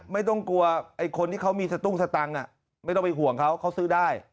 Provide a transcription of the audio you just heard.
ไม่ต้องกลัวไอ้คนที่เขามีสตุ้งสตังค์ไม่ต้องไปห่วงเขาเขาซื้อได้